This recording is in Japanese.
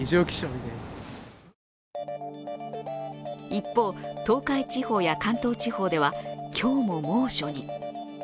一方、東海地方や関東地方では今日も猛暑に。